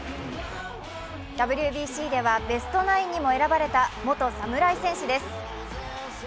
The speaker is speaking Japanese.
ＷＢＣではベスト９にも選ばれた元侍選手です。